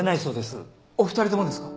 お二人ともですか？